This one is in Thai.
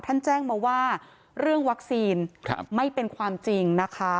ท่านแจ้งมาว่าเรื่องวัคซีนนี่ไม่เป็นความจริง